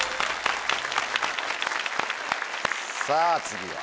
さぁ次は。